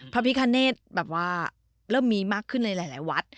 พระพิคเนธแบบว่าเริ่มมีมากขึ้นในหลายวัด